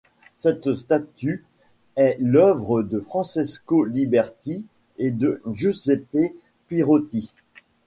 Cette statue est l'œuvre de Francesco Liberti et de Giuseppe Pirotti.